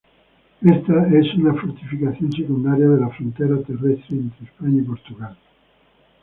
Esta es una fortificación secundaria de la frontera terrestre entre España y Portugal.